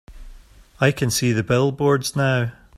I can see the billboards now.